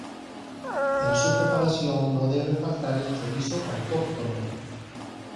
En su preparación no debe faltar el chorizo autóctono.